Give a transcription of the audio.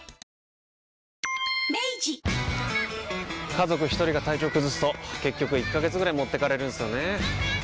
家族一人が体調崩すと結局１ヶ月ぐらい持ってかれるんすよねー。